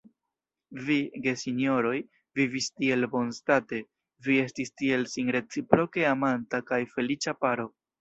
Vi, gesinjoroj, vivis tiel bonstate, vi estis tiel sin reciproke amanta kaj feliĉa paro!